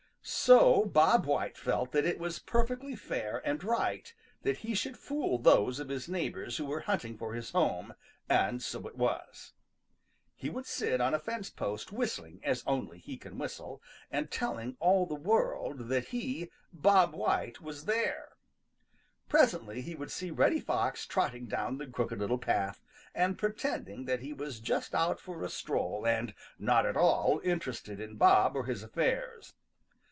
So Bob White felt that it was perfectly fair and right that he should fool those of his neighbors who were hunting for his home, and so it was. He would sit on a fence post whistling as only he can whistle, and telling all the world that he, Bob White, was there. Presently he would see Reddy Fox trotting down the Crooked Little Path and pretending that he was just out for a stroll and not at all interested in Bob or his affairs.